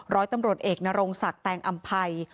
ร้อยตำรวจเอกนรงศักดิ์แตงอำภัย